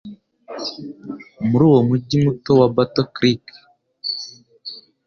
muri uwo mujyi muto wa Battle Creek